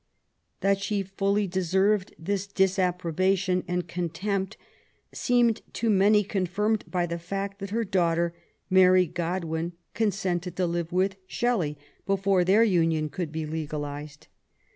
That she fully deserved this disapprobation and con tempt seemed to many confirmed by the fact that her daughter, Mary Godwin, consented to live with Shelley before their union could be legalized.